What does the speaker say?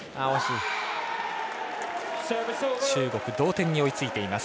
中国同点に追いついています。